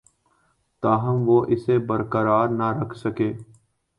تاہم وہ اسے برقرار نہ رکھ سکے